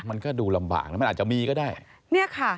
มันก็ดูลำบากมันอาจมีก็ได้